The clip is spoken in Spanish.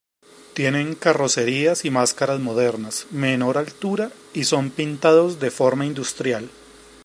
Tienen carrocerías y máscaras modernas, menor altura y son pintados de forma industrial.